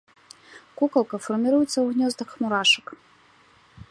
Кукалка фарміруецца ў гнёздах мурашак.